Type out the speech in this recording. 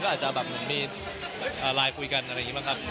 ก็อาจจะมีไลน์คุยกันอะไรอย่างนี้บ้างครับ